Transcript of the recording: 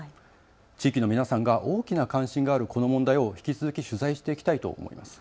地域の皆さんが大きな関心があるこの問題を引き続き取材していきたいと思います。